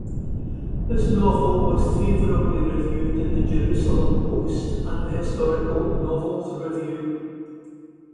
This novel was favorably reviewed in "The Jerusalem Post" and "The Historical Novels Review".